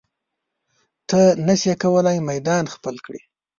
ته نشې کولی میدان خپل کړې.